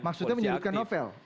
maksudnya menyudutkan novel